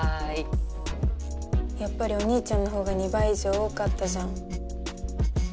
やっぱりお兄ちゃんのほうが２倍以上多かったじゃん。